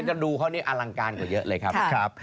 จะดูเขานี่อลังการกว่าเยอะเลยครับ